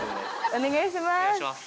お願いします。